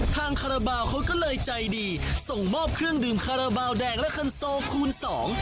คาราบาลเขาก็เลยใจดีส่งมอบเครื่องดื่มคาราบาลแดงและคันโซคูณสอง